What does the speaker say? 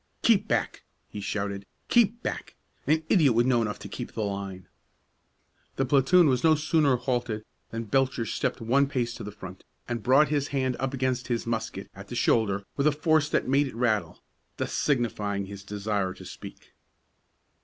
"Keep back!" he shouted; "keep back! An idiot would know enough to keep the line!" The platoon was no sooner halted than Belcher stepped one pace to the front, and brought his hand up against his musket at the shoulder with a force that made it rattle, thus signifying his desire to speak.